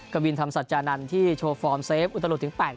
กะวินทำสัจจานันที่โชฟอร์มเซฟอุตลุดถึงแปด